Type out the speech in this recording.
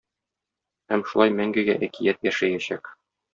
Һәм шулай мәңгегә әкият яшәячәк.